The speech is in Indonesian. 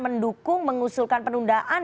mendukung mengusulkan penundaan